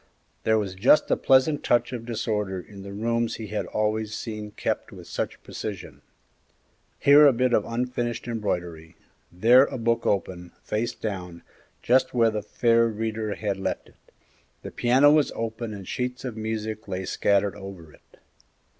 There was just a pleasant touch of disorder in the rooms he had always seen kept with such precision: here a bit of unfinished embroidery; there a book open, face down, just where the fair reader had left it; the piano was open and sheets of music lay scattered over it.